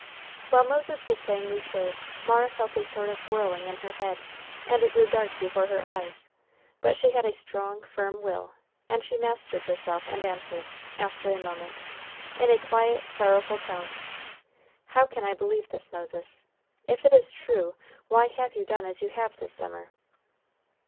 While Moses was saying these words, Mara felt a sort of whirling in her head, and it grew dark before her eyes; but she had a strong, firm will, and she mastered herself and answered, after a moment, in a quiet, sorrowful tone, "How can I believe this, Moses? If it is true, why have you done as you have this summer?"